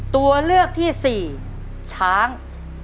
ตัวเลือกที่๔ช้าง